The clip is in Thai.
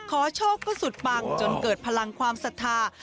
โชคก็สุดปังจนเกิดพลังความศรัทธา